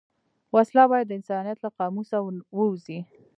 وسله باید د انسانیت له قاموسه ووځي